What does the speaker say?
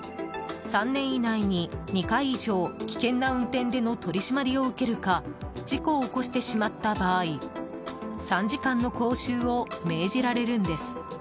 ３年以内に２回以上危険な運転での取り締まりを受けるか事故を起こしてしまった場合３時間の講習を命じられるんです。